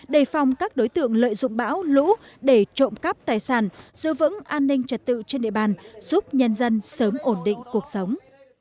đề phòng các đối tượng lợi dụng bão lũ để trộm cắp tài sản giữ vững an ninh trật tự trên địa bàn giúp nhân dân sớm ổn định cuộc sống